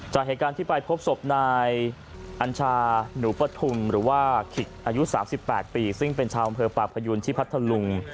จากเหตุการณ์ที่ไปพบศพนายอัญชาหนูปฐุมหรือว่าขิกอายุ๓๘ปีซึ่งเป็นชาวอำเภอปากพยูนที่พัทธลุง